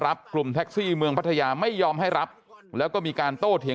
กลุ่มแท็กซี่เมืองพัทยาไม่ยอมให้รับแล้วก็มีการโต้เถียง